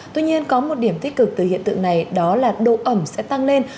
tuy nhiên có một điểm tích cực từ hiện tượng này đó là độ ẩm sẽ tăng lên